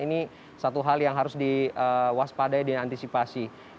ini satu hal yang harus diwaspadai diantisipasi